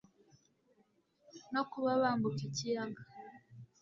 no kuba bambuka ikiyaga